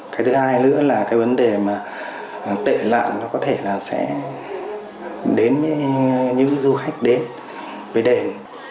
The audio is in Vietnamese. cái thứ hai nữa là cái vấn đề mà tệ lạ nó có thể là sẽ đến những du khách đến với đền